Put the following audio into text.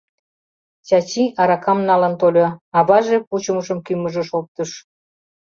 Чачи аракам налын тольо, аваже пучымышым кӱмыжыш оптыш.